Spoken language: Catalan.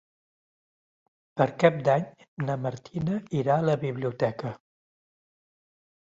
Per Cap d'Any na Martina irà a la biblioteca.